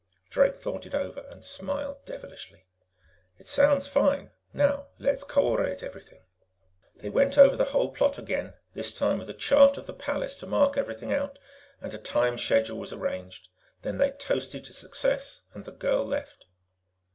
Drake thought it over and smiled devilishly. "It sounds fine. Now let's co ordinate everything." They went over the whole plot again, this time with a chart of the palace to mark everything out and a time schedule was arranged. Then they toasted to success and the girl left.